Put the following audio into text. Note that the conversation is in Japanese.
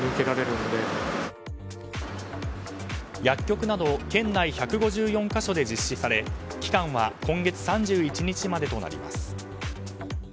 薬局など県内１５４か所で実施され期間は今月３１日までとなります。